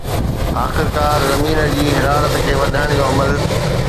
آخرڪار، زمين جي حرارت کي وڌائڻ جو عمل